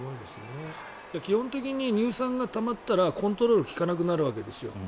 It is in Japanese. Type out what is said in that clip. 基本的に乳酸がたまったらコントロールが利かなくなるわけです。